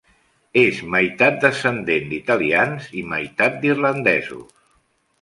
És meitat descendent d'italians i meitat d'irlandesos.